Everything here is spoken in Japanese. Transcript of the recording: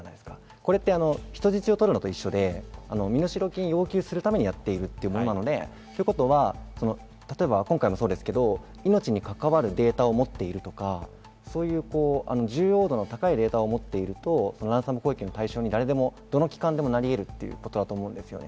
これは人質を取るのと一緒で、身代金要求するためにやっているものなので、今回もそうですが、命に関わるデータを持っているとか、重要度の高いデータを持っているとランサム攻撃の対象に誰でもなりえるということです。